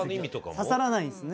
刺さらないんですね。